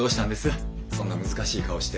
そんな難しい顔して。